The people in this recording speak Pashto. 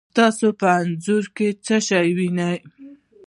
تاسو په انځور کې څه شی وینئ؟